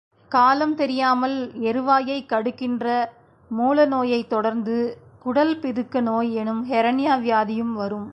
காலம் தெரியாமல் எருவாயைக் கடுக்கின்ற மூல நோயைத் தொடர்ந்து, குடள் பிதுக்க நோய் எனும் ஹெரண்யா வியாதியும் வரும்.